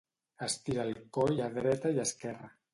Estira el coll a dreta i esquerra.